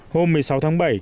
hôm một mươi sáu tháng bảy